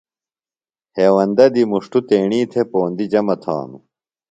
ہیوندہ دی مُݜٹوۡ تیݨی تھےۡ پوندی جمہ تھانوۡ۔